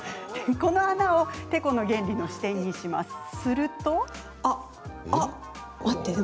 この穴を、てこの原理の支点にするんです。